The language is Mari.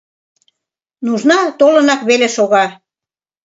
Нужна толынак веле шога...